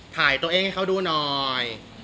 ถ่ายตัวเองให้เขาดูหน่อย